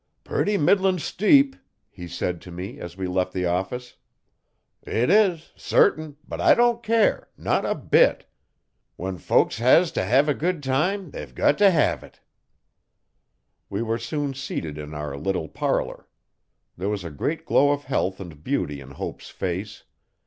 'Purty middlin' steep!' he said to me as we left the office. 'It is, sartin! but I don't care not a bit. When folks has to hev a good time they've got t' hev it. We were soon seated in our little parlour. There was a great glow of health and beauty in Hope's face.